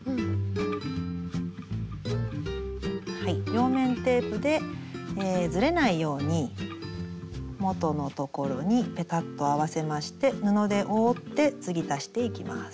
両面テープでずれないように元のところにペタッと合わせまして布で覆って継ぎ足していきます。